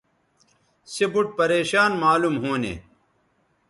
سے بُوٹ پریشان معلوم ھونے